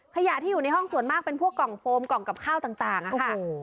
ขยะที่อยู่ในห้องส่วนมากเป็นพวกกล่องโฟมกล่องกับข้าวต่างค่ะ